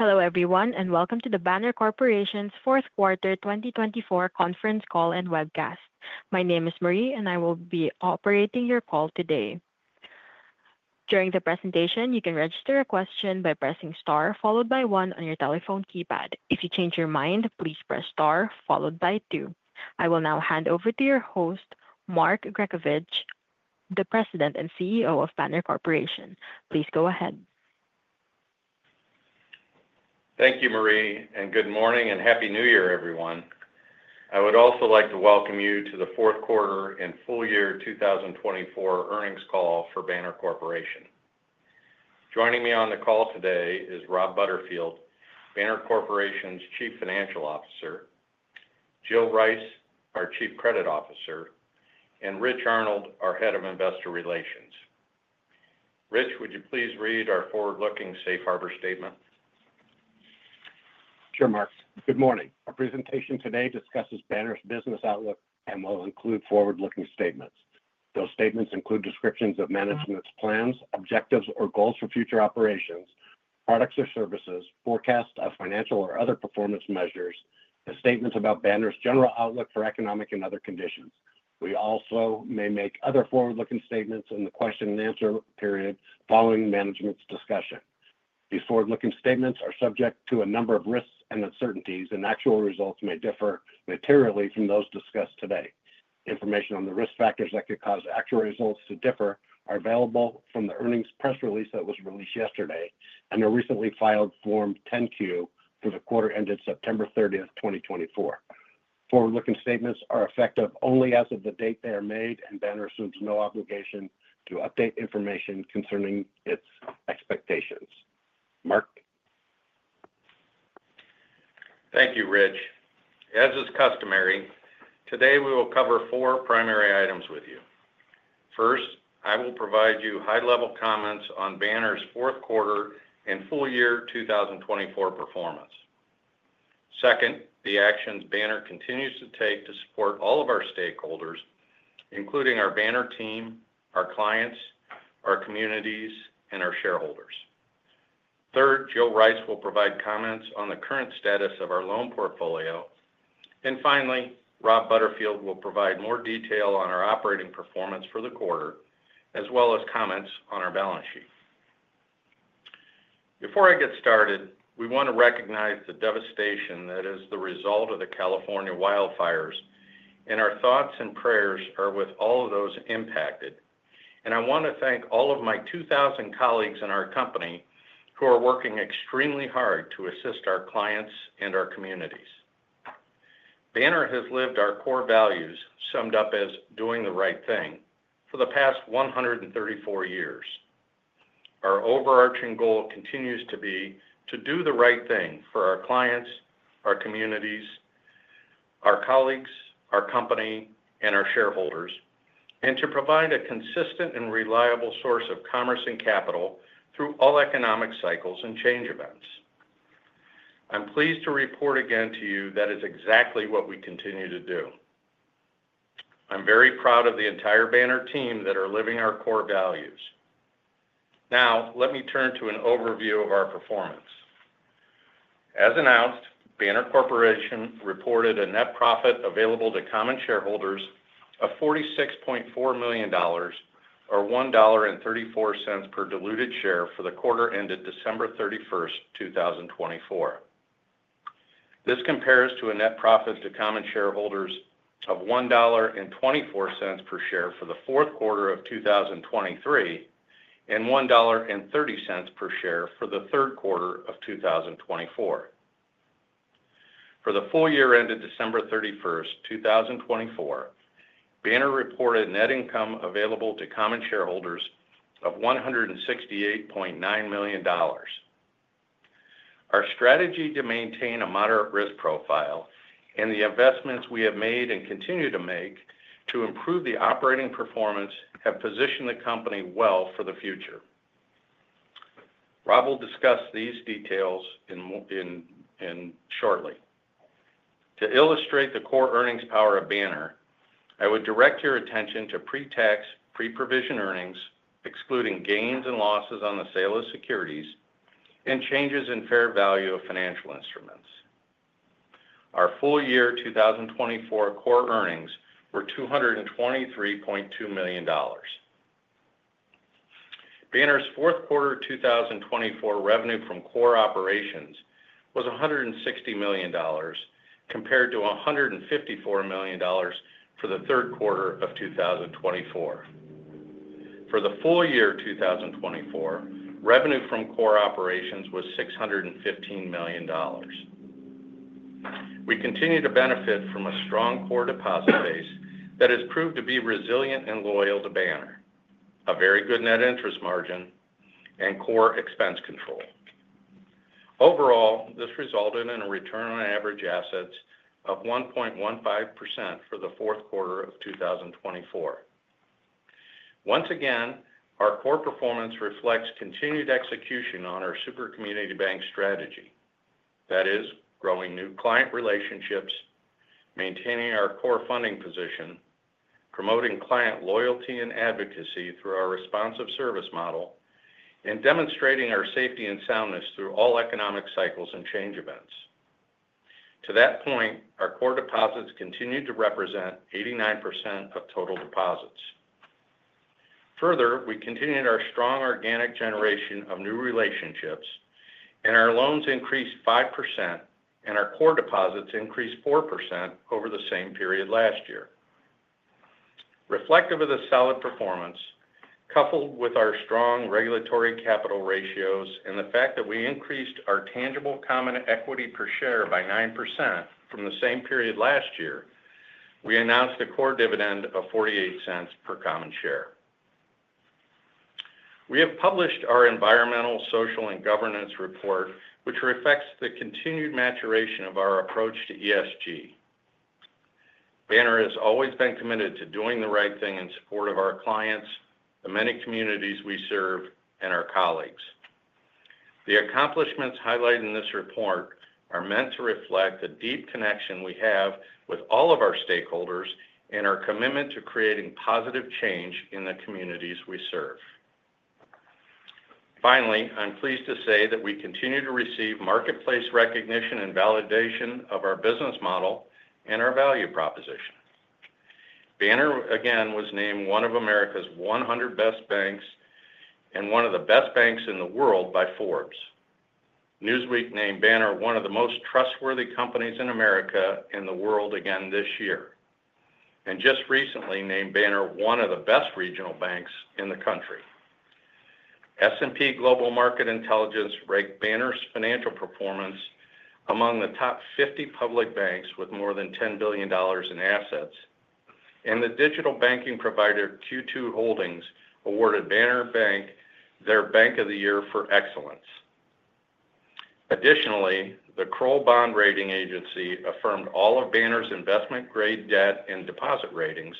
Hello everyone, and welcome to the Banner Corporation's Fourth Quarter 2024 Conference Call and Webcast. My name is Marie, and I will be operating your call today. During the presentation, you can register a question by pressing star followed by one on your telephone keypad. If you change your mind, please press star followed by two. I will now hand over to your host, Mark Grescovich, the President and CEO of Banner Corporation. Please go ahead. Thank you, Marie, and good morning and happy New Year, everyone. I would also like to welcome you to the Fourth Quarter and Full Year 2024 Earnings Call for Banner Corporation. Joining me on the call today is Rob Butterfield, Banner Corporation's Chief Financial Officer, Jill Rice, our Chief Credit Officer, and Rich Arnold, our Head of Investor Relations. Rich, would you please read our forward-looking Safe Harbor Statement? Sure, Mark. Good morning. Our presentation today discusses Banner's business outlook and will include forward-looking statements. Those statements include descriptions of management's plans, objectives, or goals for future operations, products or services, forecast of financial or other performance measures, and statements about Banner's general outlook for economic and other conditions. We also may make other forward-looking statements in the question-and-answer period following management's discussion. These forward-looking statements are subject to a number of risks and uncertainties, and actual results may differ materially from those discussed today. Information on the risk factors that could cause actual results to differ are available from the earnings press release that was released yesterday and a recently filed Form 10-Q for the quarter ended September 30, 2024. Forward-looking statements are effective only as of the date they are made, and Banner assumes no obligation to update information concerning its expectations. Mark? Thank you, Rich. As is customary, today we will cover four primary items with you. First, I will provide you high-level comments on Banner's Fourth Quarter and Full Year 2024 performance. Second, the actions Banner continues to take to support all of our stakeholders, including our Banner team, our clients, our communities, and our shareholders. Third, Jill Rice will provide comments on the current status of our loan portfolio, and finally, Rob Butterfield will provide more detail on our operating performance for the quarter, as well as comments on our balance sheet. Before I get started, we want to recognize the devastation that is the result of the California wildfires, and our thoughts and prayers are with all of those impacted, and I want to thank all of my 2,000 colleagues in our company who are working extremely hard to assist our clients and our communities. Banner has lived our core values, summed up as doing the right thing, for the past 134 years. Our overarching goal continues to be to do the right thing for our clients, our communities, our colleagues, our company, and our shareholders, and to provide a consistent and reliable source of commerce and capital through all economic cycles and change events. I'm pleased to report again to you that is exactly what we continue to do. I'm very proud of the entire Banner team that are living our core values. Now, let me turn to an overview of our performance. As announced, Banner Corporation reported a net profit available to common shareholders of $46.4 million, or $1.34 per diluted share, for the quarter ended December 31st, 2024. This compares to a net profit to common shareholders of $1.24 per share for the Fourth Quarter of 2023 and $1.30 per share for the Third Quarter of 2024. For the full year ended December 31st, 2024, Banner reported net income available to common shareholders of $168.9 million. Our strategy to maintain a moderate risk profile and the investments we have made and continue to make to improve the operating performance have positioned the company well for the future. Rob will discuss these details shortly. To illustrate the core earnings power of Banner, I would direct your attention to pre-tax, pre-provision earnings, excluding gains and losses on the sale of securities, and changes in fair value of financial instruments. Our full year 2024 core earnings were $223.2 million. Banner's Fourth Quarter 2024 revenue from core operations was $160 million, compared to $154 million for the Third Quarter of 2024. For the full year 2024, revenue from core operations was $615 million. We continue to benefit from a strong core deposit base that has proved to be resilient and loyal to Banner, a very good net interest margin, and core expense control. Overall, this resulted in a return on average assets of 1.15% for the Fourth Quarter of 2024. Once again, our core performance reflects continued execution on our Super Community Bank strategy. That is, growing new client relationships, maintaining our core funding position, promoting client loyalty and advocacy through our responsive service model, and demonstrating our safety and soundness through all economic cycles and change events. To that point, our core deposits continue to represent 89% of total deposits. Further, we continued our strong organic generation of new relationships, and our loans increased 5%, and our core deposits increased 4% over the same period last year. Reflective of the solid performance, coupled with our strong regulatory capital ratios and the fact that we increased our tangible common equity per share by 9% from the same period last year, we announced a core dividend of $0.48 per common share. We have published our environmental, social, and governance report, which reflects the continued maturation of our approach to ESG. Banner has always been committed to doing the right thing in support of our clients, the many communities we serve, and our colleagues. The accomplishments highlighted in this report are meant to reflect the deep connection we have with all of our stakeholders and our commitment to creating positive change in the communities we serve. Finally, I'm pleased to say that we continue to receive marketplace recognition and validation of our business model and our value proposition. Banner, again, was named one of America's 100 best banks and one of the best banks in the world by Forbes. Newsweek named Banner one of the most trustworthy companies in America and the world again this year, and just recently named Banner one of the best regional banks in the country. S&P Global Market Intelligence ranked Banner's financial performance among the top 50 public banks with more than $10 billion in assets, and the digital banking provider Q2 Holdings awarded Banner Bank their Bank of the Year for excellence. Additionally, the Kroll Bond Rating Agency affirmed all of Banner's investment-grade debt and deposit ratings,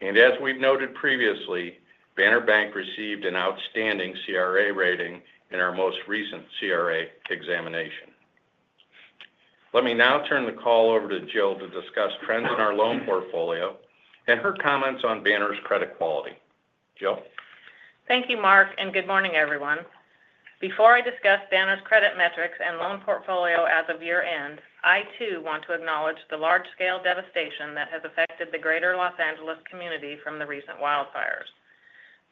and as we've noted previously, Banner Bank received an outstanding CRA rating in our most recent CRA examination. Let me now turn the call over to Jill to discuss trends in our loan portfolio and her comments on Banner's credit quality. Jill? Thank you, Mark, and good morning, everyone. Before I discuss Banner's credit metrics and loan portfolio as of year-end, I too want to acknowledge the large-scale devastation that has affected the greater Los Angeles community from the recent wildfires.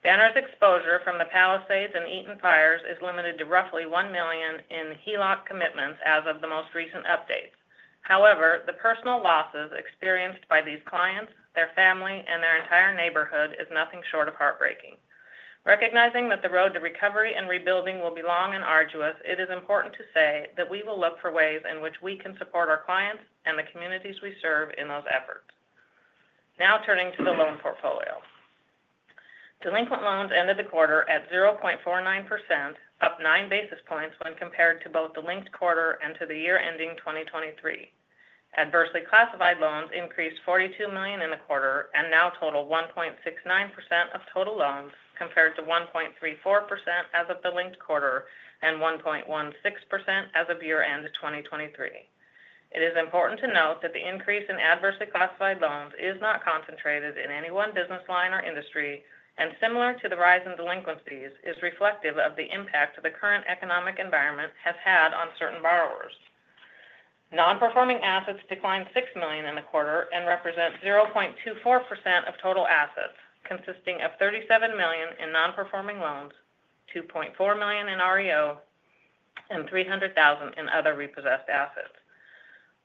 Banner's exposure from the Palisades and Eaton fires is limited to roughly $1 million in HELOC commitments as of the most recent updates. However, the personal losses experienced by these clients, their family, and their entire neighborhood is nothing short of heartbreaking. Recognizing that the road to recovery and rebuilding will be long and arduous, it is important to say that we will look for ways in which we can support our clients and the communities we serve in those efforts. Now turning to the loan portfolio. Delinquent loans ended the quarter at 0.49%, up 9 basis points when compared to both the linked quarter and to the year-end 2023. Adversely classified loans increased $42 million in the quarter and now total 1.69% of total loans, compared to 1.34% as of the linked quarter and 1.16% as of year-end 2023. It is important to note that the increase in adversely classified loans is not concentrated in any one business line or industry, and similar to the rise in delinquencies, is reflective of the impact the current economic environment has had on certain borrowers. Non-performing assets declined $6 million in the quarter and represent 0.24% of total assets, consisting of $37 million in non-performing loans, $2.4 million in REO, and $300,000 in other repossessed assets.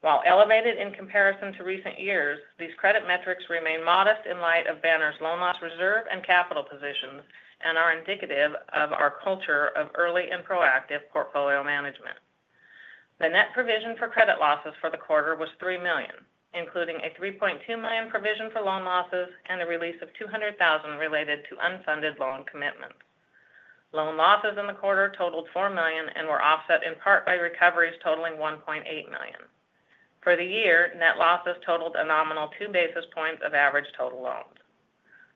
While elevated in comparison to recent years, these credit metrics remain modest in light of Banner's loan loss reserve and capital positions and are indicative of our culture of early and proactive portfolio management. The net provision for credit losses for the quarter was $3 million, including a $3.2 million provision for loan losses and a release of $200,000 related to unfunded loan commitments. Loan losses in the quarter totaled $4 million and were offset in part by recoveries totaling $1.8 million. For the year, net losses totaled a nominal 2 basis points of average total loans.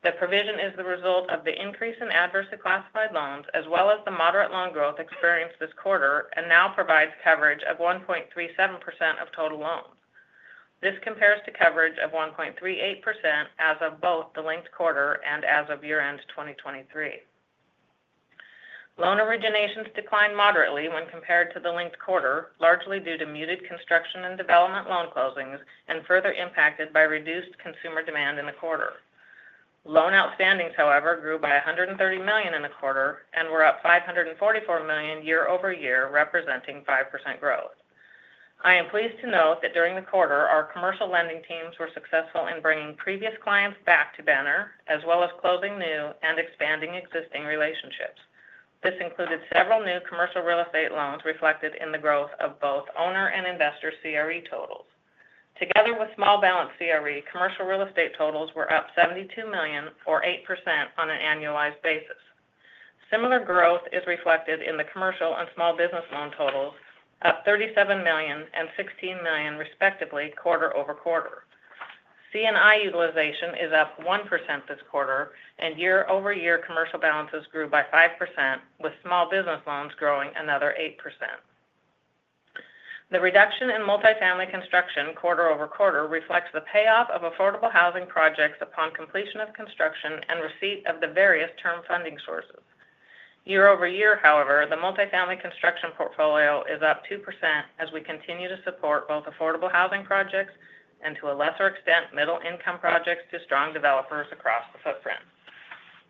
The provision is the result of the increase in adversely classified loans, as well as the moderate loan growth experienced this quarter, and now provides coverage of 1.37% of total loans. This compares to coverage of 1.38% as of both the linked quarter and as of year-end 2023. Loan originations declined moderately when compared to the linked quarter, largely due to muted construction and development loan closings and further impacted by reduced consumer demand in the quarter. Loan outstandings, however, grew by $130 million in the quarter and were up $544 million year-over-year, representing 5% growth. I am pleased to note that during the quarter, our commercial lending teams were successful in bringing previous clients back to Banner, as well as closing new and expanding existing relationships. This included several new commercial real estate loans reflected in the growth of both owner and investor CRE totals. Together with small balance CRE, commercial real estate totals were up $72 million, or 8% on an annualized basis. Similar growth is reflected in the commercial and small business loan totals, up $37 million and $16 million, respectively, quarter over quarter. C&I utilization is up 1% this quarter, and year-over-year commercial balances grew by 5%, with small business loans growing another 8%. The reduction in multifamily construction quarter over quarter reflects the payoff of affordable housing projects upon completion of construction and receipt of the various term funding sources. Year-over-year, however, the multifamily construction portfolio is up 2% as we continue to support both affordable housing projects and, to a lesser extent, middle-income projects to strong developers across the footprint.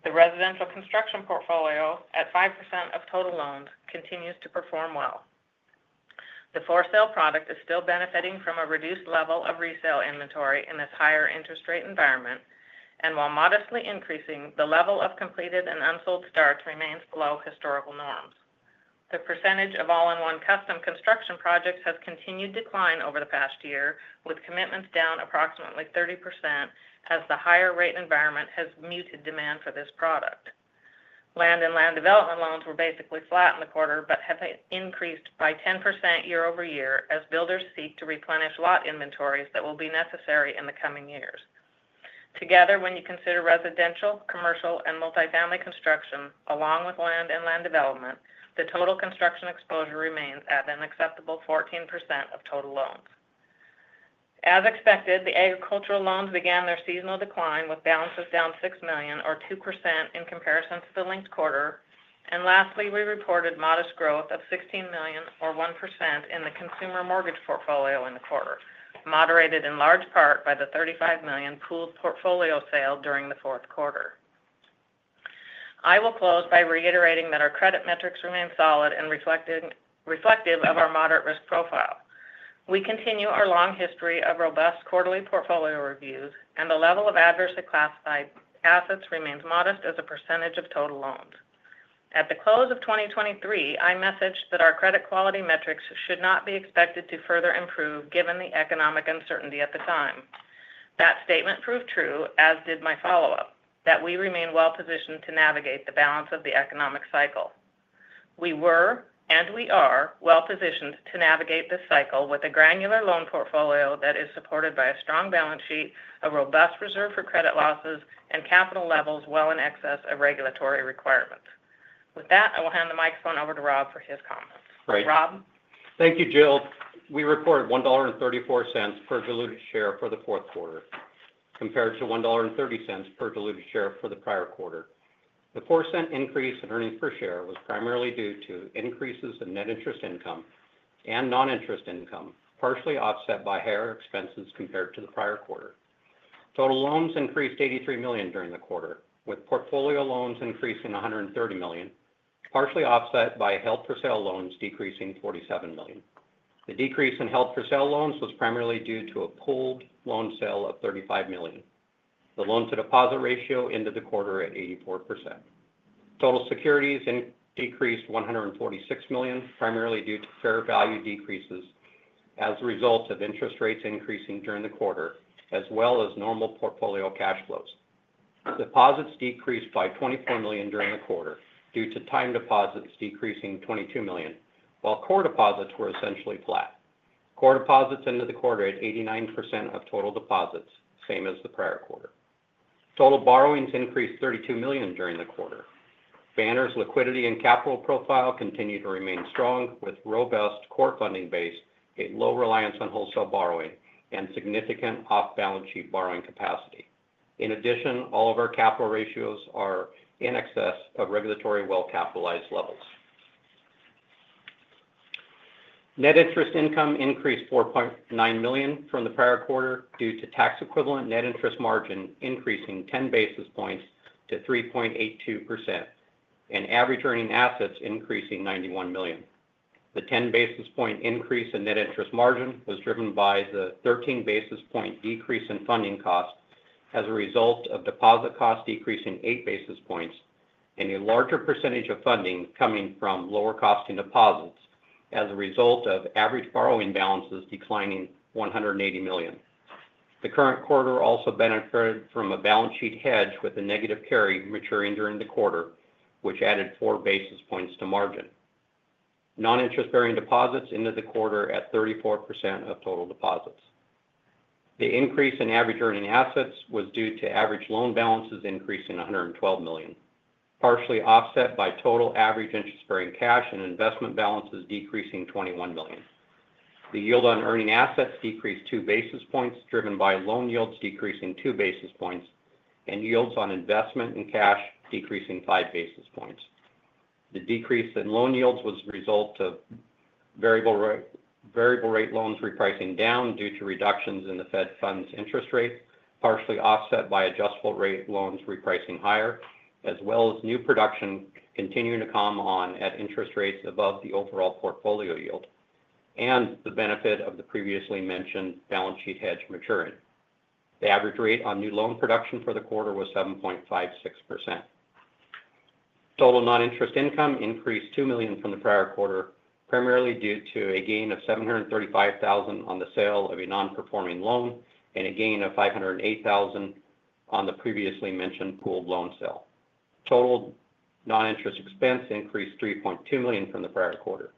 The residential construction portfolio, at 5% of total loans, continues to perform well. The for-sale product is still benefiting from a reduced level of resale inventory in this higher interest rate environment, and while modestly increasing, the level of completed and unsold starts remains below historical norms. The percentage of All-In-One Custom Construction projects has continued to decline over the past year, with commitments down approximately 30% as the higher-rate environment has muted demand for this product. Land and land development loans were basically flat in the quarter but have increased by 10% year-over-year as builders seek to replenish lot inventories that will be necessary in the coming years. Together, when you consider residential, commercial, and multifamily construction, along with land and land development, the total construction exposure remains at an acceptable 14% of total loans. As expected, the agricultural loans began their seasonal decline, with balances down $6 million, or 2%, in comparison to the linked quarter. And lastly, we reported modest growth of $16 million, or 1%, in the consumer mortgage portfolio in the quarter, moderated in large part by the $35 million pooled portfolio sale during the Fourth Quarter. I will close by reiterating that our credit metrics remain solid and reflective of our moderate risk profile. We continue our long history of robust quarterly portfolio reviews, and the level of adversely classified assets remains modest as a percentage of total loans. At the close of 2023, I messaged that our credit quality metrics should not be expected to further improve given the economic uncertainty at the time. That statement proved true, as did my follow-up, that we remain well-positioned to navigate the balance of the economic cycle. We were, and we are, well-positioned to navigate this cycle with a granular loan portfolio that is supported by a strong balance sheet, a robust reserve for credit losses, and capital levels well in excess of regulatory requirements. With that, I will hand the microphone over to Rob for his comments. Thank you, Jill. We recorded $1.34 per diluted share for the fourth quarter, compared to $1.30 per diluted share for the prior quarter. The $0.04 increase in earnings per share was primarily due to increases in net interest income and non-interest income, partially offset by higher expenses compared to the prior quarter. Total loans increased $83 million during the quarter, with portfolio loans increasing $130 million, partially offset by held-for-sale loans decreasing $47 million. The decrease in held-for-sale loans was primarily due to a pooled loan sale of $35 million. The loan-to-deposit ratio ended the quarter at 84%. Total securities decreased $146 million, primarily due to fair value decreases as a result of interest rates increasing during the quarter, as well as normal portfolio cash flows. Deposits decreased by $24 million during the quarter due to time deposits decreasing $22 million, while core deposits were essentially flat. Core deposits ended the quarter at 89% of total deposits, same as the prior quarter. Total borrowings increased $32 million during the quarter. Banner's liquidity and capital profile continue to remain strong, with robust core funding base, a low reliance on wholesale borrowing, and significant off-balance sheet borrowing capacity. In addition, all of our capital ratios are in excess of regulatory well-capitalized levels. Net interest income increased $4.9 million from the prior quarter due to tax-equivalent net interest margin increasing 10 basis points to 3.82% and average earning assets increasing $91 million. The 10 basis point increase in net interest margin was driven by the 13 basis point decrease in funding costs as a result of deposit costs decreasing 8 basis points and a larger percentage of funding coming from lower-costing deposits as a result of average borrowing balances declining $180 million. The current quarter also benefited from a balance sheet hedge with a negative carry maturing during the quarter, which added 4 basis points to margin. Non-interest-bearing deposits ended the quarter at 34% of total deposits. The increase in average earning assets was due to average loan balances increasing $112 million, partially offset by total average interest-bearing cash and investment balances decreasing $21 million. The yield on earning assets decreased 2 basis points, driven by loan yields decreasing 2 basis points and yields on investment and cash decreasing 5 basis points. The decrease in loan yields was the result of variable-rate loans repricing down due to reductions in the Fed funds interest rates, partially offset by adjustable-rate loans repricing higher, as well as new production continuing to come on at interest rates above the overall portfolio yield and the benefit of the previously mentioned balance sheet hedge maturing. The average rate on new loan production for the quarter was 7.56%. Total non-interest income increased $2 million from the prior quarter, primarily due to a gain of $735,000 on the sale of a non-performing loan and a gain of $508,000 on the previously mentioned pooled loan sale. Total non-interest expense increased $3.2 million from the prior quarter.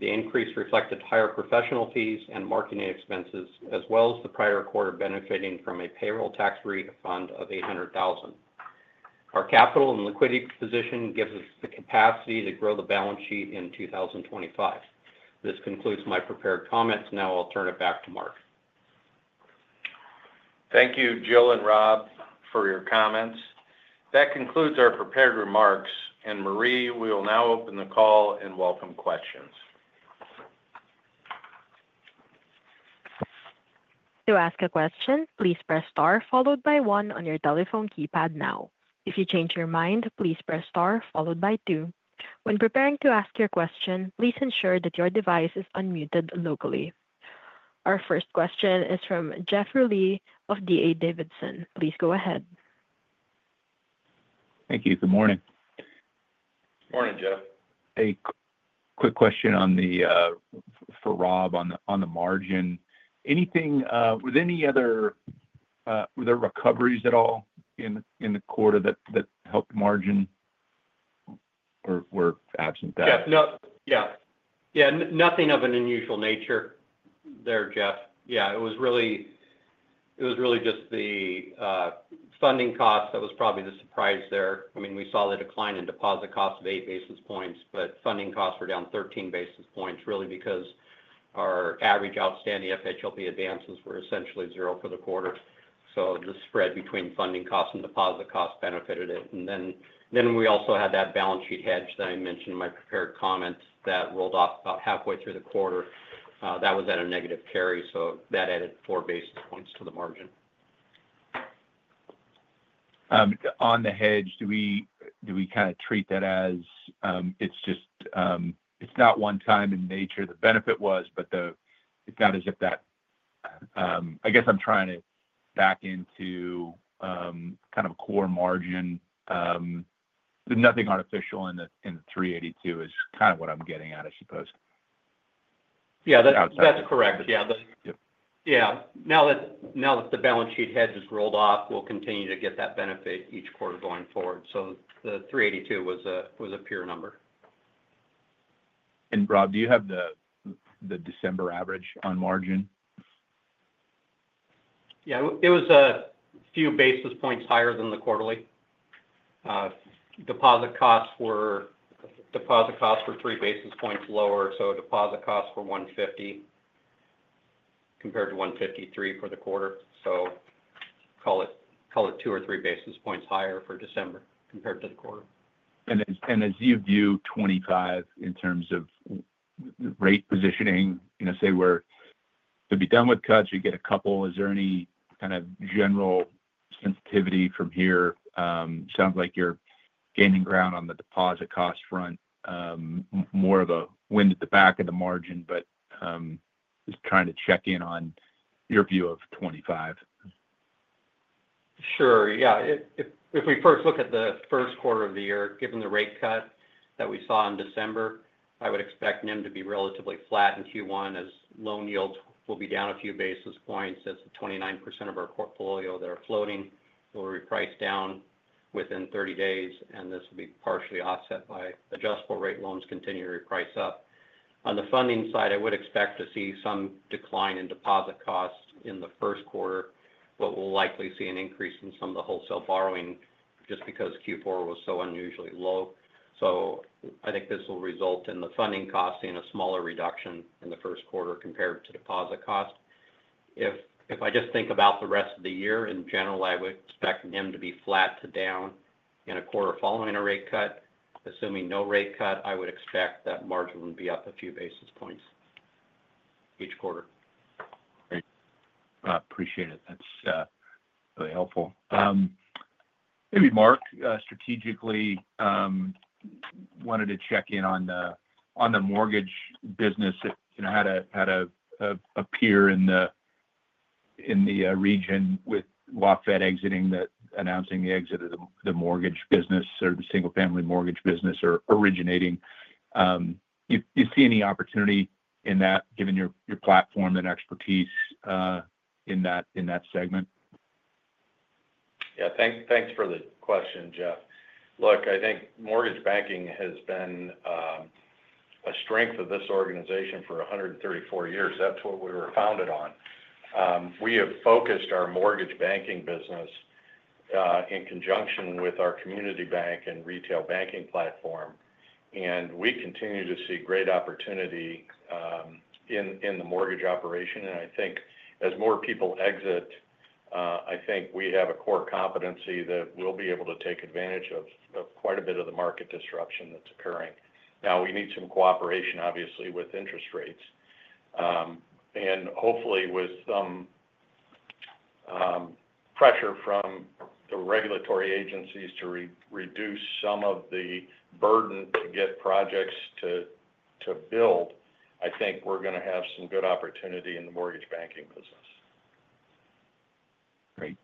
The increase reflected higher professional fees and marketing expenses, as well as the prior quarter benefiting from a payroll tax refund of $800,000. Our capital and liquidity position gives us the capacity to grow the balance sheet in 2025. This concludes my prepared comments. Now I'll turn it back to Mark. Thank you, Jill and Rob, for your comments. That concludes our prepared remarks, and Marie, we will now open the call and welcome questions. To ask a question, please press star followed by one on your telephone keypad now. If you change your mind, please press star followed by two. When preparing to ask your question, please ensure that your device is unmuted locally. Our first question is from Jeff Rulis of D.A. Davidson. Please go ahead. Thank you. Good morning. Good morning, Jeff. A quick question for Rob on the margin. Were there recoveries at all in the quarter that helped margin or were absent? Yeah. Yeah. Nothing of an unusual nature there, Jeff. Yeah. It was really just the funding costs that was probably the surprise there. I mean, we saw the decline in deposit costs of 8 basis points, but funding costs were down 13 basis points really because our average outstanding FHLB advances were essentially zero for the quarter. So the spread between funding costs and deposit costs benefited it. And then we also had that balance sheet hedge that I mentioned in my prepared comments that rolled off about halfway through the quarter. That was at a negative carry, so that added 4 basis points to the margin. On the hedge, do we kind of treat that as it's not one-time in nature? The benefit was, but it's not as if that I guess I'm trying to back into kind of a core margin. There's nothing artificial in the 3.82 is kind of what I'm getting at, I suppose. Yeah. That's correct. Yeah. Yeah. Now that the balance sheet hedge has rolled off, we'll continue to get that benefit each quarter going forward. So the 382 was a pure number. Rob, do you have the December average on margin? Yeah. It was a few basis points higher than the quarterly. Deposit costs were 3 basis points lower, so deposit costs were 150 compared to 153 for the quarter. So call it 2 or 3 basis points higher for December compared to the quarter. And as you view 2025 in terms of rate positioning, say we're to be done with cuts, you get a couple. Is there any kind of general sensitivity from here? Sounds like you're gaining ground on the deposit cost front, more of a wind at the back of the margin, but just trying to check in on your view of 2025. Sure. Yeah. If we first look at the first quarter of the year, given the rate cut that we saw in December, I would expect NIM to be relatively flat in Q1 as loan yields will be down a few basis points. That's the 29% of our portfolio that are floating. They'll reprice down within 30 days, and this will be partially offset by adjustable-rate loans continuing to reprice up. On the funding side, I would expect to see some decline in deposit costs in the first quarter, but we'll likely see an increase in some of the wholesale borrowing just because Q4 was so unusually low. So I think this will result in the funding cost seeing a smaller reduction in the first quarter compared to deposit cost. If I just think about the rest of the year in general, I would expect NIM to be flat to down in a quarter following a rate cut. Assuming no rate cut, I would expect that margin would be up a few basis points each quarter. Great. Appreciate it. That's really helpful. Maybe Mark, strategically, wanted to check in on the mortgage business, how to appear in the region with WaFd announcing the exit of the mortgage business or the single-family mortgage business originating. Do you see any opportunity in that, given your platform and expertise in that segment? Yeah. Thanks for the question, Jeff. Look, I think mortgage banking has been a strength of this organization for 134 years. That's what we were founded on. We have focused our mortgage banking business in conjunction with our community bank and retail banking platform, and we continue to see great opportunity in the mortgage operation. And I think as more people exit, I think we have a core competency that we'll be able to take advantage of quite a bit of the market disruption that's occurring. Now, we need some cooperation, obviously, with interest rates. And hopefully, with some pressure from the regulatory agencies to reduce some of the burden to get projects to build, I think we're going to have some good opportunity in the mortgage banking business. Great.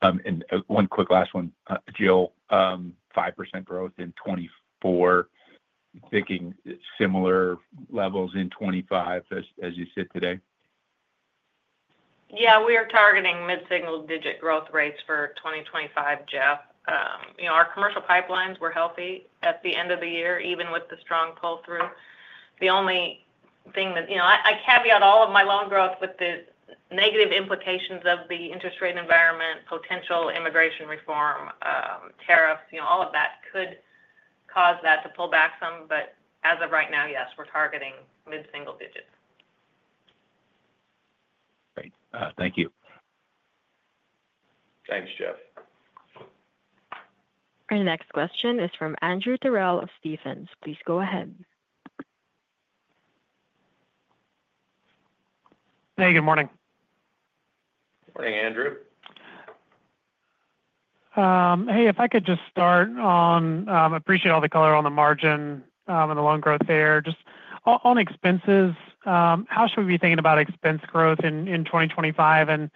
And one quick last one, Jill. 5% growth in 2024, thinking similar levels in 2025 as you sit today? Yeah. We are targeting mid-single-digit growth rates for 2025, Jeff. Our commercial pipelines were healthy at the end of the year, even with the strong pull-through. The only thing that I caveat all of my loan growth with the negative implications of the interest rate environment, potential immigration reform, tariffs, all of that could cause that to pull back some. But as of right now, yes, we're targeting mid-single digits. Great. Thank you. Thanks, Jeff. Our next question is from Andrew Terrell of Stephens. Please go ahead. Hey. Good morning. Morning, Andrew. Hey. If I could just start on. I appreciate all the color on the margin and the loan growth there. Just on expenses, how should we be thinking about expense growth in 2025? And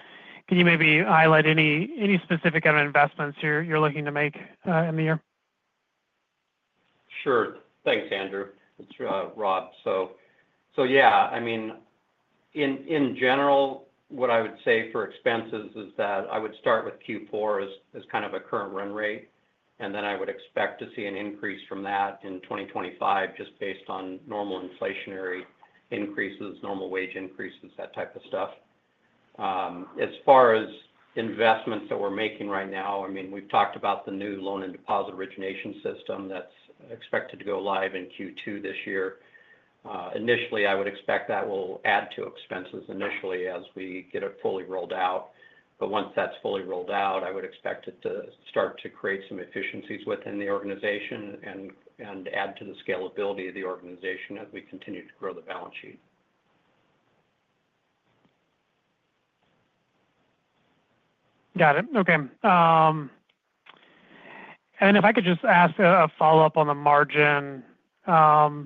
can you maybe highlight any specific kind of investments you're looking to make in the year? Sure. Thanks, Andrew. It's Rob. So yeah. I mean, in general, what I would say for expenses is that I would start with Q4 as kind of a current run rate, and then I would expect to see an increase from that in 2025 just based on normal inflationary increases, normal wage increases, that type of stuff. As far as investments that we're making right now, I mean, we've talked about the new loan and deposit origination system that's expected to go live in Q2 this year. Initially, I would expect that will add to expenses initially as we get it fully rolled out. But once that's fully rolled out, I would expect it to start to create some efficiencies within the organization and add to the scalability of the organization as we continue to grow the balance sheet. Got it. Okay. And if I could just ask a follow-up on the margin. I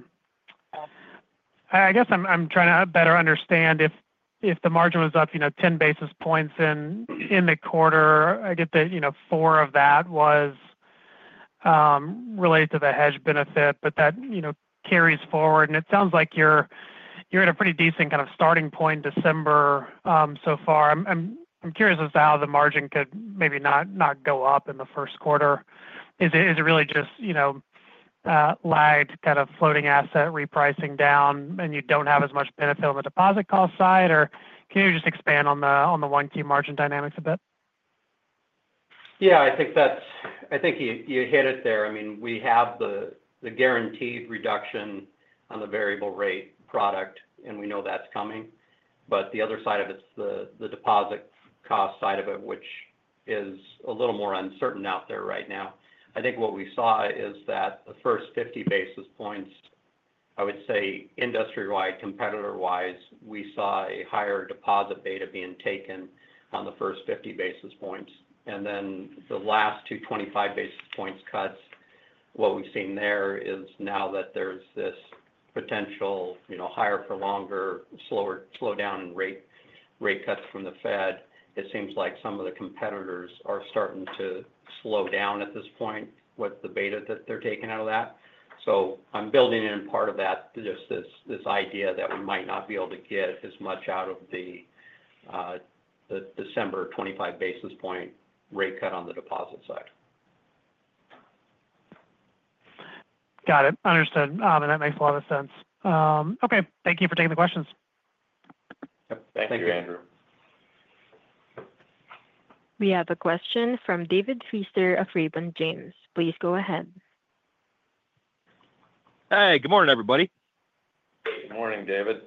guess I'm trying to better understand if the margin was up 10 basis points in the quarter. I get that four of that was related to the hedge benefit, but that carries forward. And it sounds like you're at a pretty decent kind of starting point in December so far. I'm curious as to how the margin could maybe not go up in the first quarter. Is it really just lagged kind of floating asset repricing down, and you don't have as much benefit on the deposit cost side? Or can you just expand on the ongoing margin dynamics a bit? Yeah. I think you hit it there. I mean, we have the guaranteed reduction on the variable-rate product, and we know that's coming. But the other side of it's the deposit cost side of it, which is a little more uncertain out there right now. I think what we saw is that the first 50 basis points, I would say industry-wide, competitor-wise, we saw a higher deposit beta being taken on the first 50 basis points. And then the last two 25 basis points cuts, what we've seen there is now that there's this potential higher for longer, slow down in rate cuts from the Fed, it seems like some of the competitors are starting to slow down at this point with the beta that they're taking out of that. So I'm building in part of that just this idea that we might not be able to get as much out of the December 25 basis points rate cut on the deposit side. Got it. Understood. And that makes a lot of sense. Okay. Thank you for taking the questions. Yep. Thank you, Andrew. We have a question from David Feaster of Raymond James. Please go ahead. Hey. Good morning, everybody. Good morning, David.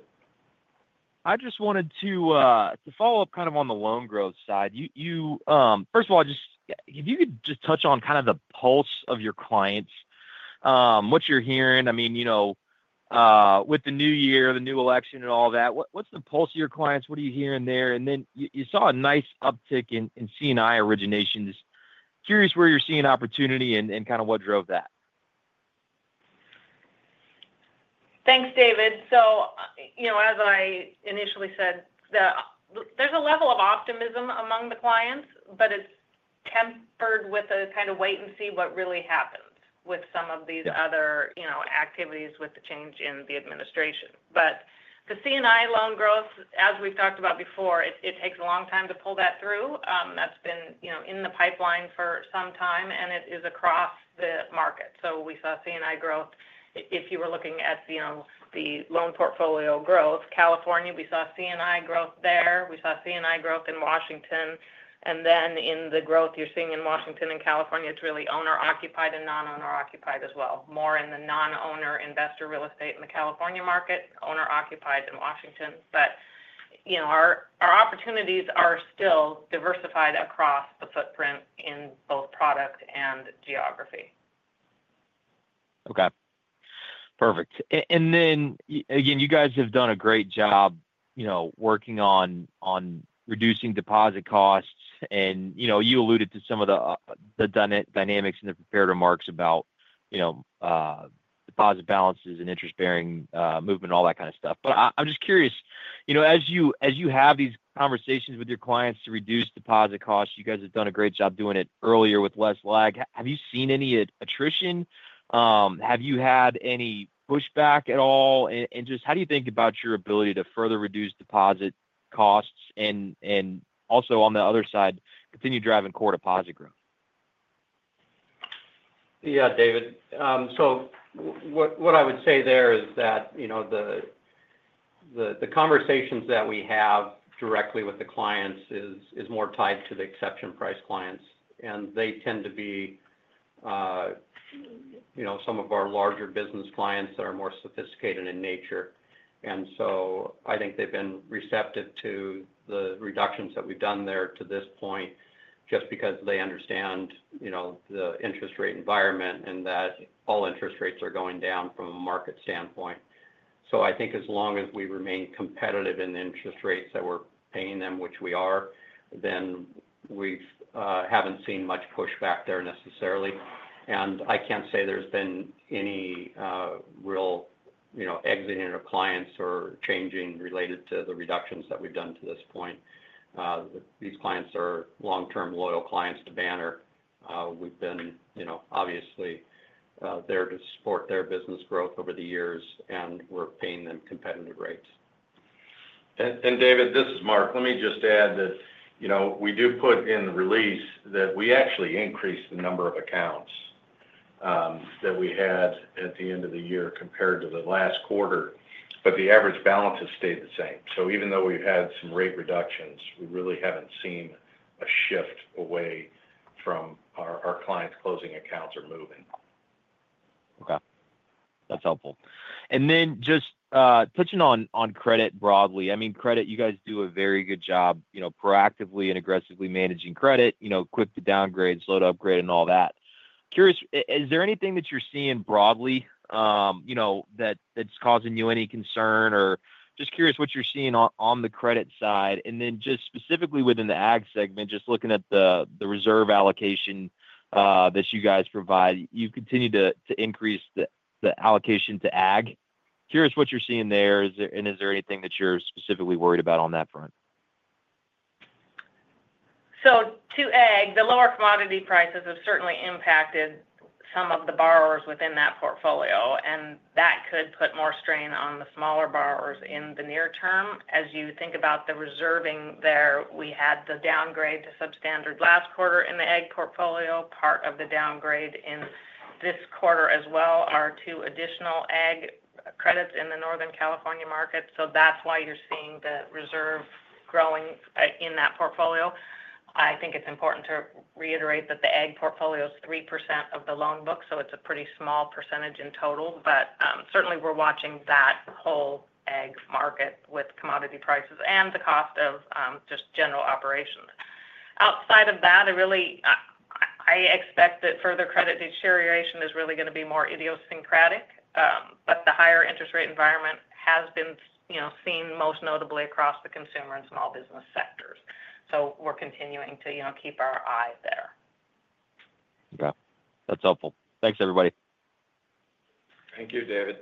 I just wanted to follow up kind of on the loan growth side. First of all, if you could just touch on kind of the pulse of your clients, what you're hearing. I mean, with the new year, the new election, and all that, what's the pulse of your clients? What are you hearing there? And then you saw a nice uptick in C&I originations. Curious where you're seeing opportunity and kind of what drove that. Thanks, David. So as I initially said, there's a level of optimism among the clients, but it's tempered with a kind of wait and see what really happens with some of these other activities with the change in the administration. But the C&I loan growth, as we've talked about before, it takes a long time to pull that through. That's been in the pipeline for some time, and it is across the market. So we saw C&I growth. If you were looking at the loan portfolio growth, California, we saw C&I growth there. We saw C&I growth in Washington. And then in the growth you're seeing in Washington and California, it's really owner-occupied and non-owner-occupied as well. More in the non-owner-occupied investor real estate in the California market, owner-occupied in Washington. But our opportunities are still diversified across the footprint in both product and geography. Okay. Perfect. And then, again, you guys have done a great job working on reducing deposit costs. And you alluded to some of the dynamics in the prepared remarks about deposit balances and interest-bearing movement, all that kind of stuff. But I'm just curious, as you have these conversations with your clients to reduce deposit costs, you guys have done a great job doing it earlier with less lag. Have you seen any attrition? Have you had any pushback at all? And just how do you think about your ability to further reduce deposit costs and also, on the other side, continue driving core deposit growth? Yeah, David. So what I would say there is that the conversations that we have directly with the clients is more tied to the exception price clients. And they tend to be some of our larger business clients that are more sophisticated in nature. And so I think they've been receptive to the reductions that we've done there to this point just because they understand the interest rate environment and that all interest rates are going down from a market standpoint. So I think as long as we remain competitive in the interest rates that we're paying them, which we are, then we haven't seen much pushback there necessarily. And I can't say there's been any real exiting of clients or changing related to the reductions that we've done to this point. These clients are long-term loyal clients to Banner. We've been obviously there to support their business growth over the years, and we're paying them competitive rates. And David, this is Mark. Let me just add that we do put in the release that we actually increased the number of accounts that we had at the end of the year compared to the last quarter, but the average balance has stayed the same. So even though we've had some rate reductions, we really haven't seen a shift away from our clients closing accounts or moving. Okay. That's helpful. And then just touching on credit broadly. I mean, credit, you guys do a very good job proactively and aggressively managing credit, quick to downgrade, slow to upgrade, and all that. Curious, is there anything that you're seeing broadly that's causing you any concern? Or just curious what you're seeing on the credit side. And then just specifically within the ag segment, just looking at the reserve allocation that you guys provide, you continue to increase the allocation to ag. Curious what you're seeing there, and is there anything that you're specifically worried about on that front? So, to ag, the lower commodity prices have certainly impacted some of the borrowers within that portfolio, and that could put more strain on the smaller borrowers in the near term. As you think about the reserving there, we had the downgrade to substandard last quarter in the ag portfolio, part of the downgrade in this quarter as well are two additional ag credits in the Northern California market. So that's why you're seeing the reserve growing in that portfolio. I think it's important to reiterate that the ag portfolio is 3% of the loan book, so it's a pretty small percentage in total. But certainly, we're watching that whole ag market with commodity prices and the cost of just general operations. Outside of that, I expect that further credit deterioration is really going to be more idiosyncratic, but the higher interest rate environment has been seen most notably across the consumer and small business sectors, so we're continuing to keep our eye there. Okay. That's helpful. Thanks, everybody. Thank you, David.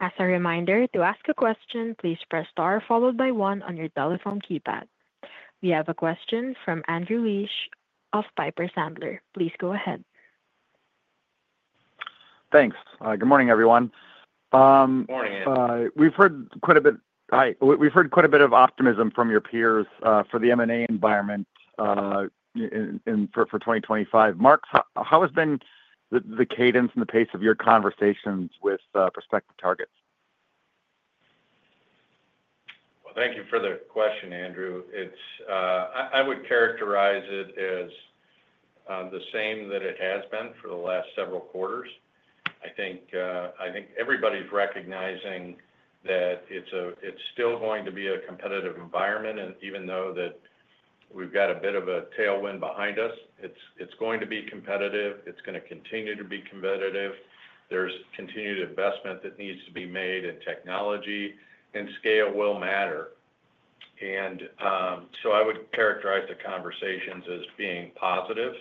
As a reminder, to ask a question, please press star followed by one on your telephone keypad. We have a question from Andrew Liesch of Piper Sandler. Please go ahead. Thanks. Good morning, everyone. Good morning, Andrew. We've heard quite a bit of optimism from your peers for the M&A environment for 2025. Mark, how has been the cadence and the pace of your conversations with prospective targets? Well, thank you for the question, Andrew. I would characterize it as the same that it has been for the last several quarters. I think everybody's recognizing that it's still going to be a competitive environment, and even though that we've got a bit of a tailwind behind us, it's going to be competitive. It's going to continue to be competitive. There's continued investment that needs to be made, and technology and scale will matter. And so I would characterize the conversations as being positive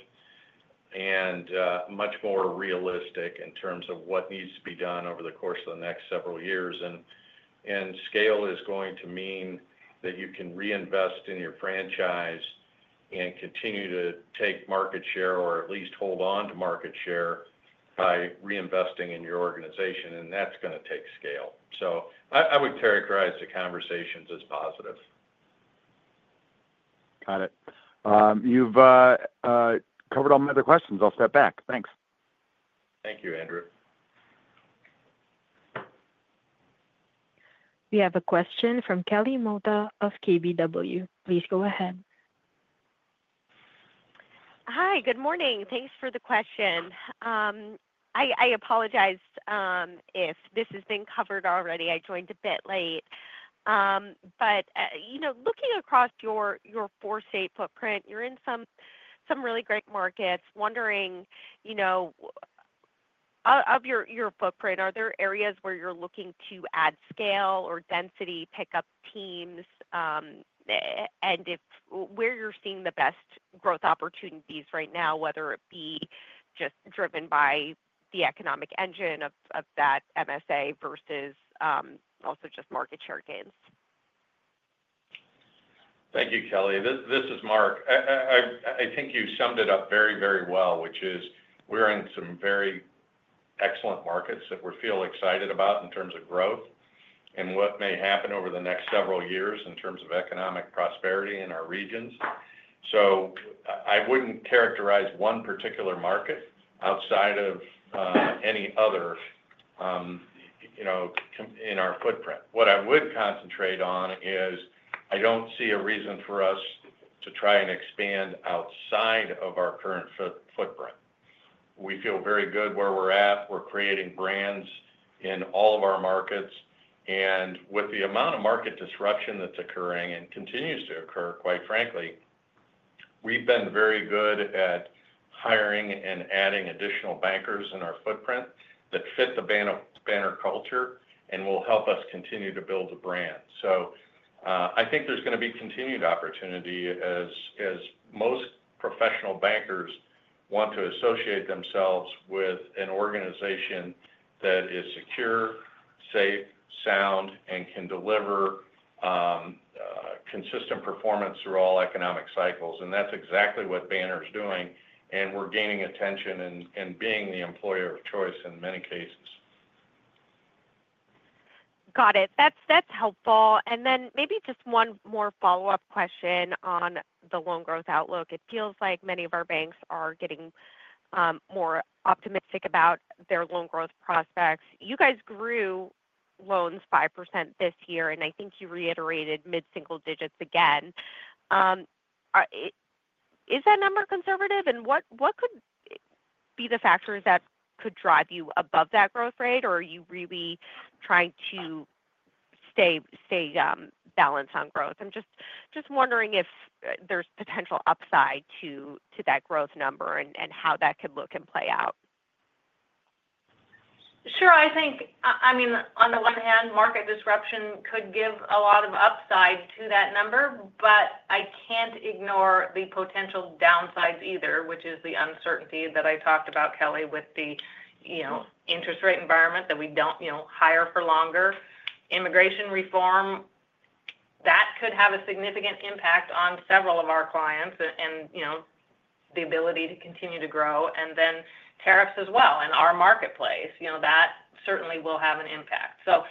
and much more realistic in terms of what needs to be done over the course of the next several years. And scale is going to mean that you can reinvest in your franchise and continue to take market share or at least hold on to market share by reinvesting in your organization, and that's going to take scale. I would characterize the conversations as positive. Got it. You've covered all my other questions. I'll step back. Thanks. Thank you, Andrew. We have a question from Kelly Motta of KBW. Please go ahead. Hi. Good morning. Thanks for the question. I apologize if this has been covered already. I joined a bit late, but looking across your four-state footprint, you're in some really great markets. Wondering of your footprint, are there areas where you're looking to add scale or density, pick up teams, and where you're seeing the best growth opportunities right now, whether it be just driven by the economic engine of that MSA versus also just market share gains? Thank you, Kelly. This is Mark. I think you summed it up very, very well, which is we're in some very excellent markets that we feel excited about in terms of growth and what may happen over the next several years in terms of economic prosperity in our regions. So I wouldn't characterize one particular market outside of any other in our footprint. What I would concentrate on is I don't see a reason for us to try and expand outside of our current footprint. We feel very good where we're at. We're creating brands in all of our markets. And with the amount of market disruption that's occurring and continues to occur, quite frankly, we've been very good at hiring and adding additional bankers in our footprint that fit the Banner culture and will help us continue to build the brand. So I think there's going to be continued opportunity as most professional bankers want to associate themselves with an organization that is secure, safe, sound, and can deliver consistent performance through all economic cycles. And that's exactly what Banner is doing. And we're gaining attention and being the employer of choice in many cases. Got it. That's helpful. And then maybe just one more follow-up question on the loan growth outlook. It feels like many of our banks are getting more optimistic about their loan growth prospects. You guys grew loans 5% this year, and I think you reiterated mid-single digits again. Is that number conservative? And what could be the factors that could drive you above that growth rate, or are you really trying to stay balanced on growth? I'm just wondering if there's potential upside to that growth number and how that could look and play out. Sure. I mean, on the one hand, market disruption could give a lot of upside to that number, but I can't ignore the potential downsides either, which is the uncertainty that I talked about, Kelly, with the interest rate environment that we don't higher for longer. Immigration reform, that could have a significant impact on several of our clients and the ability to continue to grow. And then tariffs as well in our marketplace. That certainly will have an impact. So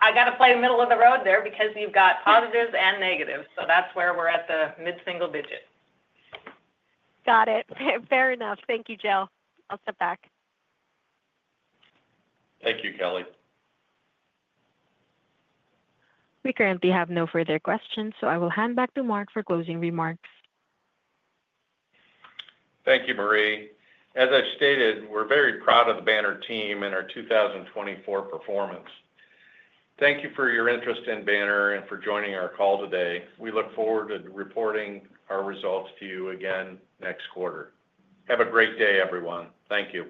I got to play in the middle of the road there because you've got positives and negatives. So that's where we're at the mid-single digit. Got it. Fair enough. Thank you, Joe. I'll step back. Thank you, Kelly. We currently have no further questions, so I will hand back to Mark for closing remarks. Thank you, Marie. As I've stated, we're very proud of the Banner team and our 2024 performance. Thank you for your interest in Banner and for joining our call today. We look forward to reporting our results to you again next quarter. Have a great day, everyone. Thank you.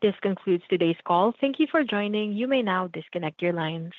This concludes today's call. Thank you for joining. You may now disconnect your lines.